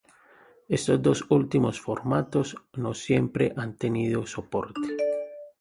Estos dos últimos formatos no siempre han tenido soporte.